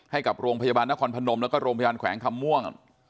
ให้กับโรงพยาบาลนครพนมแล้วก็โรงพยาบาลแขวงคำม่วง